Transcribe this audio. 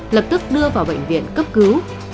lập tức đưa vào bệnh viện cấp cứu